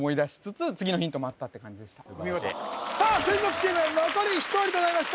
チーム残り１人となりました